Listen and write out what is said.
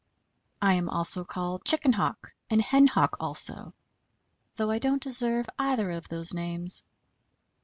I am called Chicken Hawk, and Hen Hawk, also, though I don't deserve either of those names.